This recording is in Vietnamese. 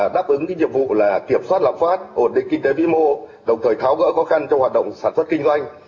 đáp ứng nhiệm vụ kiểm soát lạm phát ổn định kinh tế vĩ mô đồng thời tháo gỡ khó khăn trong hoạt động sản xuất kinh doanh